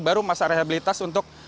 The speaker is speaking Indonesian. baru masa rehabilitas untuk